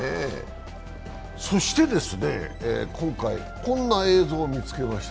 そして今回、こんな映像を見つけました。